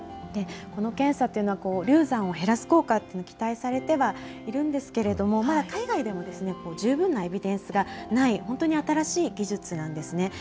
この検査というのは流産を減らす効果というのが期待されてはいるんですけれども、海外でも十分なエビデンスがない、本当に新しい技術なんですね。